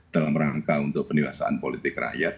dalam rangka untuk penyelesaian politik rakyat